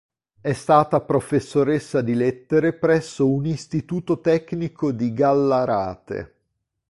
È stata professoressa di lettere presso un istituto tecnico di Gallarate.